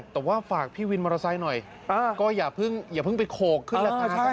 แต่ว่าฝากพี่วินมอเตอร์ไซค์หน่อยก็อย่าเพิ่งไปโขกขึ้นราคากัน